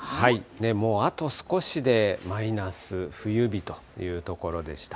もうあと少しでマイナス、冬日という所でした。